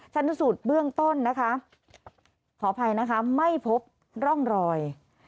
ชนสูตรเบื้องต้นนะคะขออภัยนะคะไม่พบร่องรอย